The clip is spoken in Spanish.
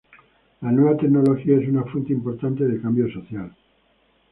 La nueva tecnología es una fuente importante de cambio social.